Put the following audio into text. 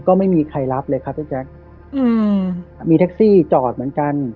ก็ไม่มีใครรับเลยครับพี่แจ๊คอืมมีแท็กซี่จอดเหมือนกัน